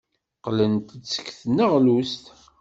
Qqlent-d seg tneɣlust.